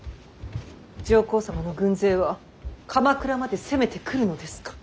上皇様の軍勢は鎌倉まで攻めてくるのですか。